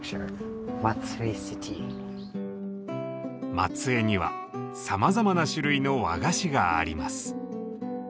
松江にはさまざまな種類の和菓子があります。